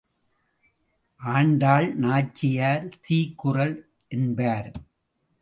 ஆண்டாள் நாச்சியார் தீக்குறள் என்பார்.